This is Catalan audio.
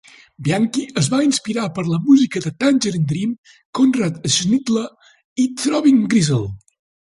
Bianchi es va inspirar per la música de Tangerine Dream, Conrad Schnitzler i Throbbing Gristle.